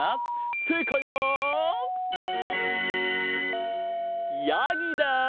せいかいはやぎだ！